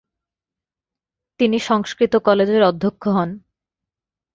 তিনি সংস্কৃত কলেজের অধ্যক্ষ হন।